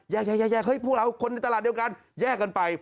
เฮ้ยพวกเราคนในตลาดเดียวกันแยกกันไป